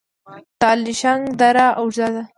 د الیشنګ دره اوږده ده